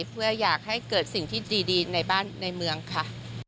เพื่ออยากให้เกิดสิ่งที่ดีในเมืองค่ะ